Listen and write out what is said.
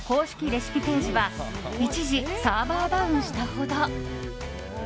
レシピページは一時、サーバーダウンしたほど。